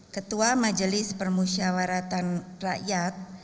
ketua majelis permusyawaratan rakyat